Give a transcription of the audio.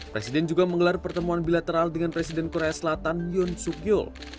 presiden juga menggelar pertemuan bilateral dengan presiden korea selatan yun suk yul